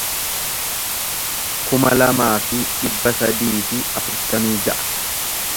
kuma lamaa fi dhibba sadii fi afurtamii ja'a